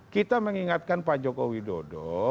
kita mengingatkan pak joko widodo